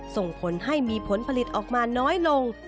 ส่งผลให้มีผลผลิตออกมาน้อยลง